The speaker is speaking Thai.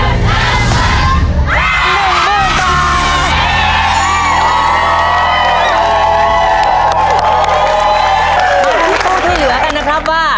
มาลุ้นตู้ที่เหลือกันนะครับว่า